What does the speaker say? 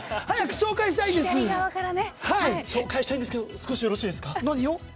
紹介したいんですけど少しよろしいですか。